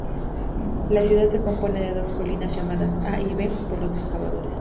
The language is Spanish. La ciudad se compone de dos colinas llamadas A y B por los excavadores.